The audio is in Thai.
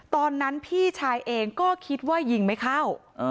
ตอนนั้นพี่ชายเองก็คิดว่ายิงไม่เข้า